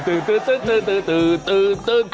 ตึอตือ